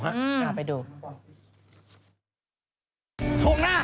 ถูงหน้าถูงหน้า